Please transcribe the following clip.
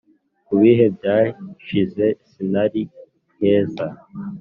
kubihe byashize sinari heza.